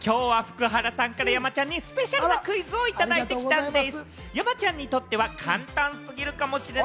そして今日は福原さんから山ちゃんにスペシャルなクイズをいただいてきたんでぃす。